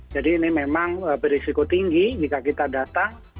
jadi ini memang berisiko tinggi jika kita datang